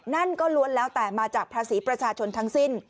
นั่นก็ล้วนแล้วแต่มาจากภาษีประชาชนทั้งสิ้น